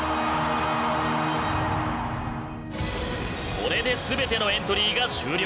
これで全てのエントリーが終了。